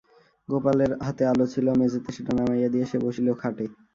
গোপালের হাতে আলো ছিল, মেঝেতে সেটা নামাইয়া দিয়া সে বসিল খাটে।